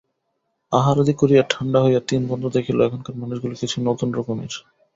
আহারাদি করিয়া ঠাণ্ডা হইয়া তিন বন্ধু দেখিল, এখানকার মানুষগুলা কিছু নূতন রকমের।